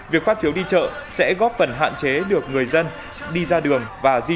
việc phát phiếu đi chợ sẽ góp phần hạn chế được người dân đi ra đường và di chuyển